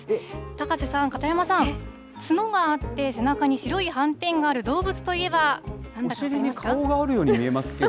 高瀬さん、片山さん、角があって、背中に白い斑点がある動物といえば、なんだか分かりますか？